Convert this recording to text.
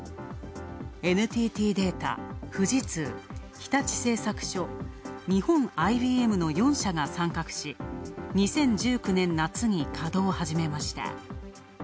ＮＴＴデータ、富士通、日立製作所、日本ＩＢＭの４社が参画し２０１９年夏に稼働を始めました。